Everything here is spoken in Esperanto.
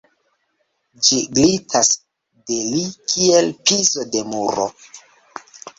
Ĝi glitas de li kiel pizo de muro.